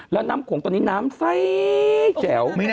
แล้วน้ำโขงตอนนี้น้ำใส่เป็นไหน